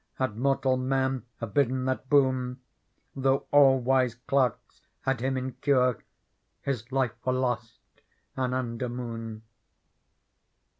Had mortal man abidden that boon. Though all wise clerks had^him in cure. His life were lost anunder moon.